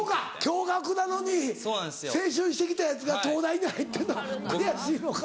共学なのに青春してきたヤツが東大に入ってるのが悔しいのか。